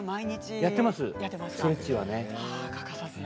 やっています。